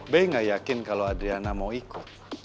be gak yakin kalau adriana mau ikut